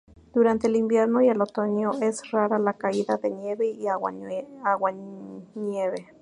Durante el invierno y el otoño, es rara la caída de nieve y aguanieve.